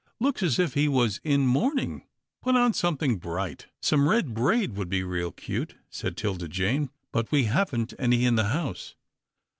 " Looks as if he was in mourning. Put on something bright." " Some red braid would be real cute," said 'Tilda Jane, " but we haven't any in the house."